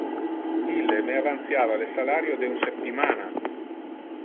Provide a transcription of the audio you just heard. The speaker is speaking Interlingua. Ille me avantiava le salario de un septimana.